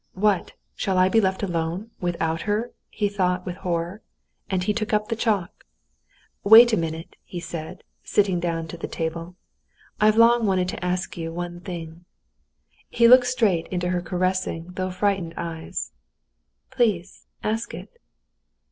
"What! shall I be left alone—without her?" he thought with horror, and he took the chalk. "Wait a minute," he said, sitting down to the table. "I've long wanted to ask you one thing." He looked straight into her caressing, though frightened eyes. "Please, ask it."